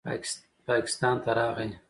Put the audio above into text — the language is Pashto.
پاکستان ته راغے